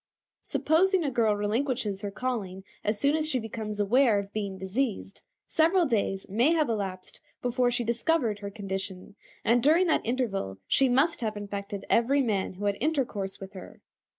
Supposing a girl relinquishes her calling as soon as she becomes aware of being diseased, several days may have elapsed before she discovered her condition, and during that interval she must have infected every man who had intercourse with her.